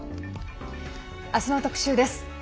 明日の特集です。